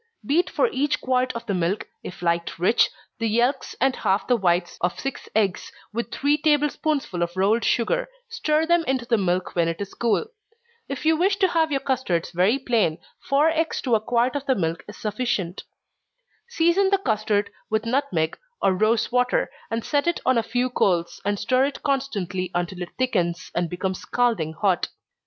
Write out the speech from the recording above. Beat for each quart of the milk, if liked rich, the yelks and half the whites of six eggs, with three table spoonsful of rolled sugar stir them into the milk when it is cool. If you wish to have your custards very plain, four eggs to a quart of the milk is sufficient. Season the custard with nutmeg or rosewater, and set it on a few coals, and stir it constantly until it thickens, and becomes scalding hot.